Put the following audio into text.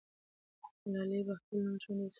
ملالۍ به خپل نوم ژوندی ساتي.